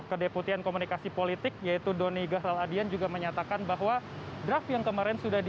kedeputian komunikasi politik yaitu doni gahraladian juga menyatakan bahwa draft yang kemarin sudah di